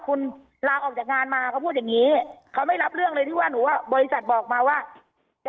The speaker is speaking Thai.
คุณลาออกจากงานมาเขาพูดอย่างงี้เขาไม่รับเรื่องเลยที่ว่าหนูว่าบริษัทบอกมาว่าจะ